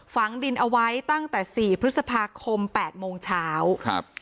ฝังดินเอาไว้ตั้งแต่๔พฤษภาคม๘โมงเช้า